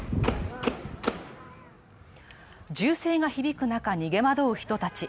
銃声が響く中、逃げ惑う人たち。